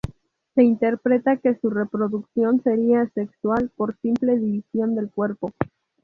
Se interpreta que su reproducción sería asexual, por simple división del cuerpo.